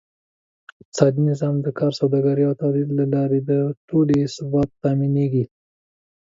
اقتصادي نظام: د کار، سوداګرۍ او تولید له لارې د ټولنې ثبات تأمینېږي.